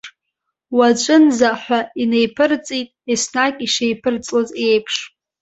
Уаҵәынӡа ҳәа инеиԥырҵит еснагь ишеиԥырҵлоз еиԥш.